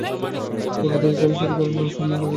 বড়ো দয়া করে চুরি করে লও শূন্য হৃদয় মোর!